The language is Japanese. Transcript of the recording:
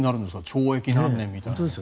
懲役何年みたいな。